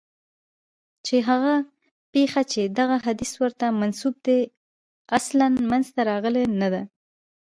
چي هغه پېښه چي دغه حدیث ورته منسوب دی اصلاً منځته راغلې نه ده.